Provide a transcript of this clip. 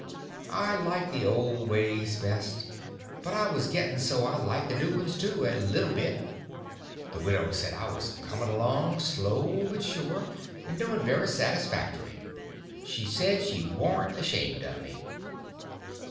I liked the old ways best, but I was getting so I liked the new ones, too, a little bit. The widow said I was coming along slow but sure, and doing very satisfactory. She said she warn't ashamed of me.